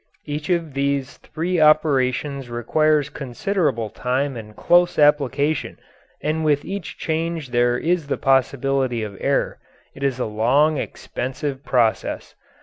Each of these three operations requires considerable time and close application, and with each change there is the possibility of error. It is a long, expensive process.